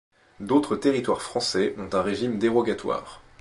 D'autres territoires français ont un régime dérogatoire.